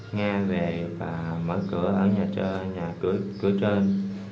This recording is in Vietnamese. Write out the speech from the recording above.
nga về và mở cửa ở nhà cửa trên